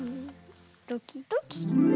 ドキドキ。